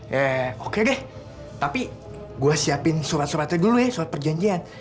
ya oke deh tapi gue siapin surat suratnya dulu ya surat perjanjian